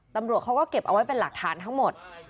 ตำรวจเขาก็เก็บเอาไว้เป็นหลักฐานทั้งหมด